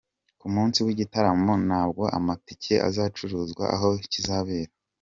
Ku munsi w’igitaramo nabwo amatike azacururizwa aho kizabera.